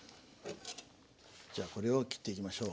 じゃあこれを切っていきましょう。